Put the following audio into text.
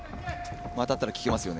当たったらききますよね。